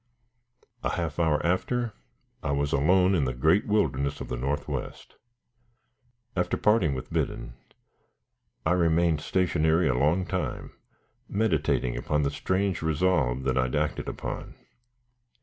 A half hour after and I was alone in the great wilderness of the Northwest. After parting with Biddon, I remained stationary a long time, meditating upon the strange resolve that I had acted upon.